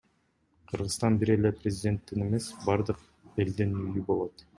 Кыргызстан бир эле президенттин эмес, бардык элдин үйү болот.